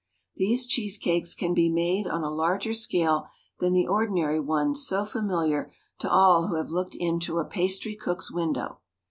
These cheese cakes can be made on a larger scale than the ordinary one so familiar to all who have looked into a pastry cook's window.